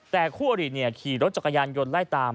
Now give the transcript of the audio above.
แต่คู่อริขี่รถจักรยานยนต์ไล่ตาม